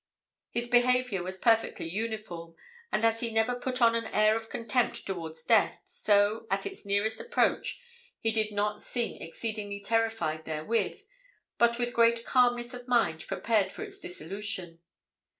His behaviour was perfectly uniform, and as he never put on an air of contempt towards death, so, at its nearest approach he did not seem exceedingly terrified therewith, but with great calmness of mind prepared for his dissolution.